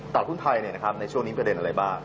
ต่อมดุลที่คุณไทยในช่วงนี้ประเด็นอะไรบ้าง